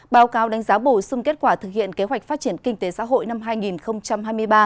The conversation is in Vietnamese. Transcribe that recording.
báo cáo đánh giá bổ sung kết quả thực hiện kế hoạch phát triển kinh tế xã hội năm hai nghìn hai mươi ba